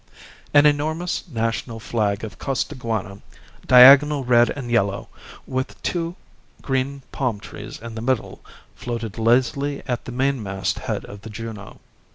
An enormous national flag of Costaguana, diagonal red and yellow, with two green palm trees in the middle, floated lazily at the mainmast head of the Juno.